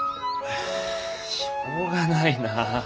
しょうがないな。